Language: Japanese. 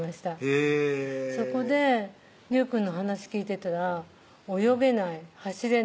へぇそこで隆くんの話聞いてたら泳げない・走れない